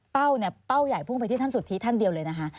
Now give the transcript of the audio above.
เนี่ยเป้าใหญ่พุ่งไปที่ท่านสุธิท่านเดียวเลยนะคะ